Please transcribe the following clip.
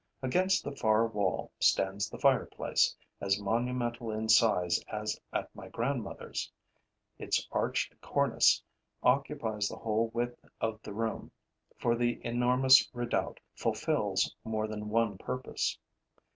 Against the far wall stands the fireplace, as monumental in size as at my grandmother's. Its arched cornice occupies the whole width of the room, for the enormous redoubt fulfils more than one purpose.